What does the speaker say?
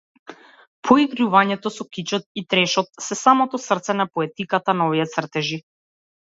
Поигрувањето со кичот и трешот се самото срце на поетиката на овие цртежи.